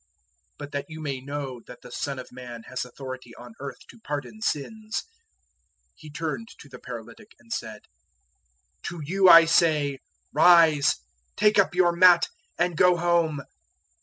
002:010 But that you may know that the Son of Man has authority on earth to pardon sins" He turned to the paralytic, and said, 002:011 "To you I say, 'Rise, take up your mat and go home.'"